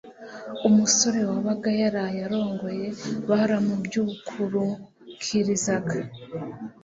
umusore wabaga yaraye arongoye baramubyukurukirizaga